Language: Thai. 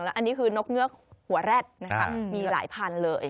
อันนี้คือนกเงือกหัวแร็ดนะคะมีหลายพันธุ์เลย